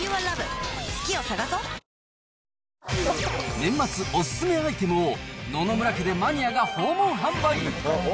年末お勧めアイテムを野々村家でマニアが訪問販売。